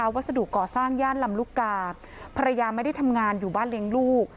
วัสดุก่อสร้างย่านลำลูกกาภรรยาไม่ได้ทำงานอยู่บ้านเลี้ยงลูก